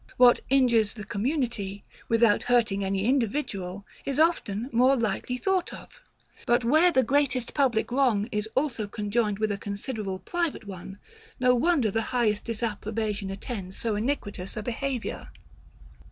What injures the community, without hurting any individual, is often more lightly thought of. But where the greatest public wrong is also conjoined with a considerable private one, no wonder the highest disapprobation attends so iniquitous a behaviour.